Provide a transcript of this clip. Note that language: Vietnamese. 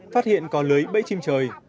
phát hiện có lưới bẫy chim trời